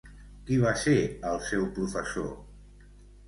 Qui va ser el seu professor?